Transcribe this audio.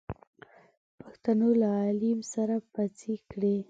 پښتنو له عليم سره پڅې کړې.